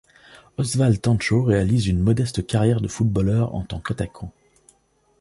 Oswald Tanchot réalise une modeste carrière de footballeur en tant qu'attaquant.